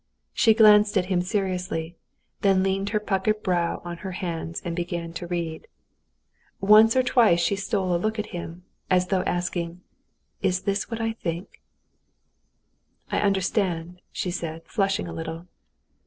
She glanced at him seriously, then leaned her puckered brow on her hands and began to read. Once or twice she stole a look at him, as though asking him, "Is it what I think?" "I understand," she said, flushing a little.